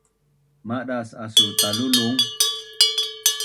Madas asu talulung?